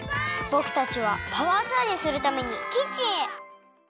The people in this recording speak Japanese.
ぼくたちはパワーチャージするためにキッチンへ！